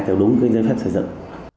theo đúng cái giấy phép xây dựng